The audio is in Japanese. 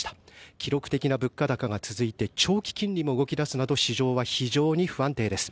記録的な物価高が続いて長期金利も動き出すなど市場は非常に不安定です。